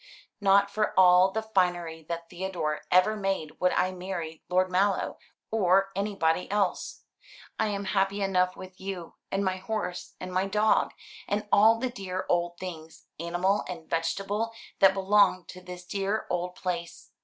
Not for all the finery that Theodore ever made would I marry Lord Mallow, or anybody else. I am happy enough with you, and my horse, and my dog, and all the dear old things, animal and vegetable, that belong to this dear old place.